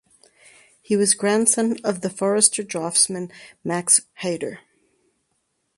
He was grandson of the forester draughtsman Max Haider.